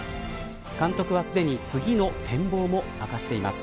監督は、すでに次の展望も明かしています。